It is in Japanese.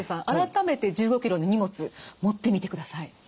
改めて１５ｋｇの荷物持ってみてください。